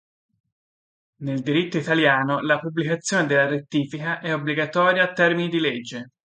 Nel diritto italiano la pubblicazione della rettifica è obbligatoria a termini di legge.